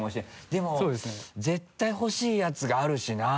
でも絶対欲しいヤツがあるしな。